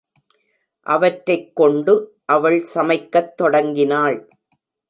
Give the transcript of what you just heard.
அவற்றைக் கொண்டு அவள் சமைக்கத் தொடங்கினாள்.